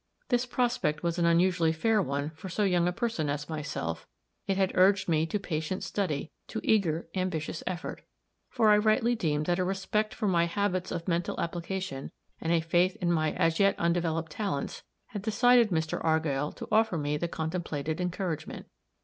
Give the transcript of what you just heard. This prospect was an unusually fair one for so young a person as myself; it had urged me to patient study, to eager, ambitious effort. For I rightly deemed that a respect for my habits of mental application and a faith in my as yet undeveloped talents, had decided Mr. Argyll to offer me the contemplated encouragement.